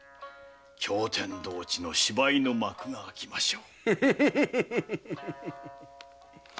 驚天動地の芝居の幕が開きましょう。